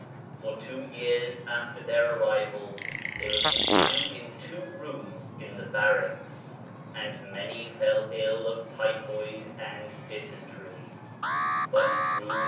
For two years after their arrival they were confined in two rooms in the barracks, and many fell ill of typhoid and dysentery, but through the.